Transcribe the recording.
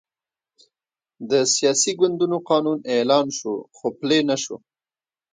د سیاسي ګوندونو قانون اعلان شو، خو پلی نه شو.